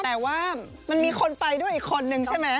แต่ว่ามันมีคนไปด้วยอีกคนนึงใช่ไหม